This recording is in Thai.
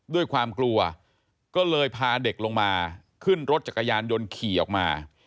ด้วยความกลัวก็เลยพาเด็กลงมาขึ้นรถจักรยานยนต์ขี่ออกมา